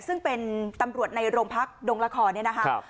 ซึ่งเป็นตำรวจในโรงพักดงละครเนี่ยนะครับ